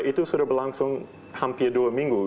itu sudah berlangsung hampir dua minggu